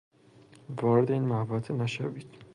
وارد این محوطه نشوید!